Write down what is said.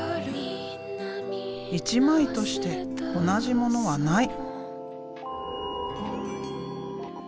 一枚として同じものはない。